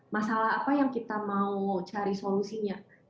masalah apa yang kita mau cari solusinya